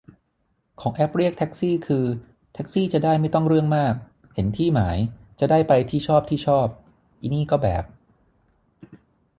ของแอปเรียกแท็กซี่คือแท็กซี่จะได้ไม่ต้องเรื่องมาก เห็นที่หมาย จะได้ไปที่ชอบที่ชอบ อินี่ก็แบบ